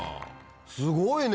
すごいね！